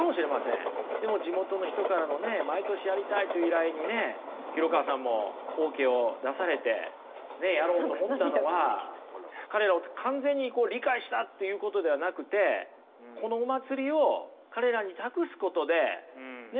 でも地元の人からのね毎年やりたいという依頼にね廣川さんもＯＫを出されてやろうと思ったのは彼らを完全に理解したっていうことではなくてこのお祭りを彼らに託すことでね